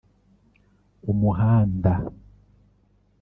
Umuhanda